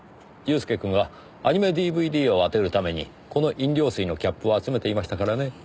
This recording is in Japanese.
祐介くんはアニメＤＶＤを当てるためにこの飲料水のキャップを集めていましたからね。